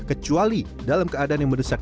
kecuali dalam keadaan yang mendesak